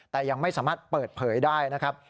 แต่ยังไม่สามารถเปิดเผยได้นะครับ